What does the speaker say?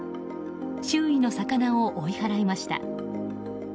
周囲の魚を追い払いました。